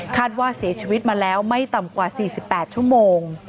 ว่าเสียชีวิตมาแล้วไม่ต่ำกว่า๔๘ชั่วโมง